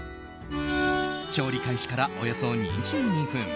調理開始からおよそ２２分。